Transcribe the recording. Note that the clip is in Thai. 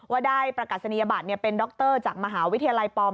ว่าได้ประกาศนียบัตรเป็นดรจากมหาวิทยาลัยปลอม